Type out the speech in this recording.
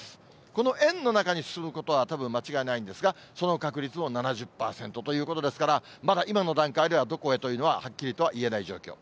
この円の中に進むことはたぶん間違いないんですが、その確率も７０％ということですから、まだ今の段階では、どこへというのははっきりとは言えない状況。